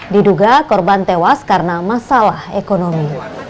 diduga korban tewas karena masalah ekonomi